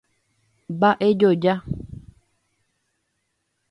Mba'e joja.